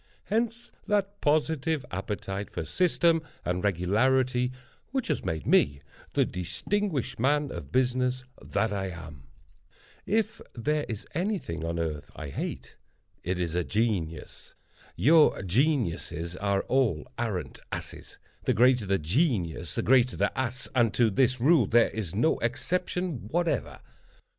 Hence that positive appetite for system and regularity which has made me the distinguished man of business that I am. If there is any thing on earth I hate, it is a genius. Your geniuses are all arrant asses—the greater the genius the greater the ass—and to this rule there is no exception whatever.